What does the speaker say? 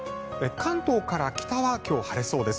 関東から北は今日晴れそうです。